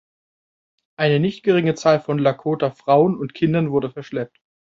Eine nicht geringe Zahl von Lakota-Frauen und -Kindern wurde verschleppt.